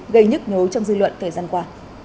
gây nhức nhố trong dư luận thời gian qua